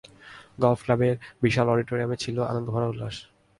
Golf ক্লাবের বিশাল অডিটোরিয়ামে ছিল আনন্দ ভরা উল্লাস।